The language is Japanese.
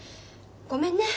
ごめんね。